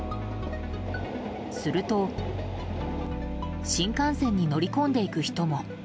すると、新幹線に乗り込んでいく人も。